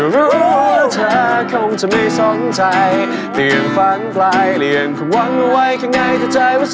รู้จักรู้จัก